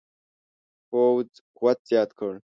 پوځ قوت زیات کړ.